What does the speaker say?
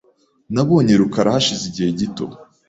Nabonye rukara hashize igihe gito .